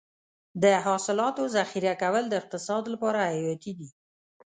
د حاصلاتو ذخیره کول د اقتصاد لپاره حیاتي دي.